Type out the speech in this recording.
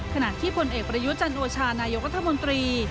ขณะที่ผลเอกประยุจันโอชานายกรัฐมนตรี